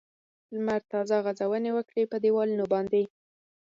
لمر تازه غځونې وکړې په دېوالونو باندې.